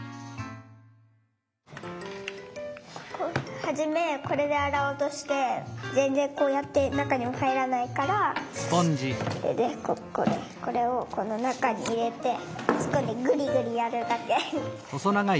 はじめこれであらおうとしてぜんぜんこうやってなかにははいらないからこれをこのなかにいれてつっこんでぐりぐりやるだけ。